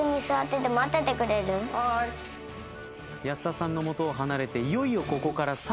安田さんの元を離れていよいよここから。